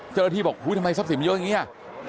เจอที่บอกโอ้ยทำไมทรัพย์สินมันเยอะอย่างเนี้ย